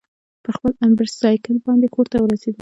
پر خپل امبرسایکل باندې کورته ورسېد.